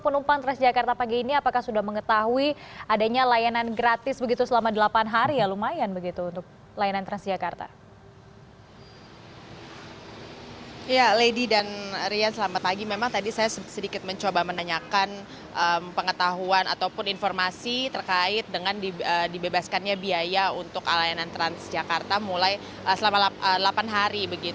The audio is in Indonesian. memang tadi saya sedikit mencoba menanyakan pengetahuan ataupun informasi terkait dengan dibebaskannya biaya untuk alayanan transjakarta mulai selama delapan hari